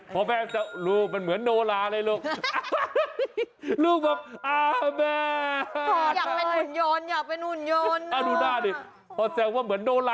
พอแซมว่าเหมือนโนลาเท่านั้นแหละ